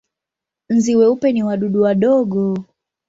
Nzi weupe ni wadudu wadogo.